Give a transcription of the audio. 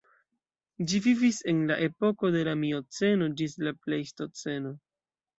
Ĝi vivis en la epoko de la Mioceno ĝis la Plejstoceno.